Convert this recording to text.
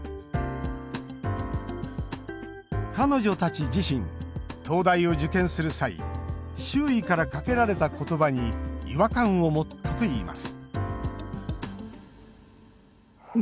彼女たち自身、東大を受験する際周囲からかけられたことばに違和感を持ったといいます